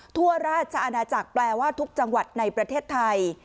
ทั่วราชอาณาจักรแปลว่าทุกจังหวัดในประเทศไทย